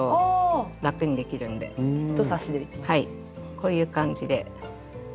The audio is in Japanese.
こういう感じで。